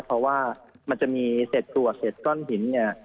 เพราะว่ามันจะมีเสร็จตรวจเสร็จก้อนหินเนี่ย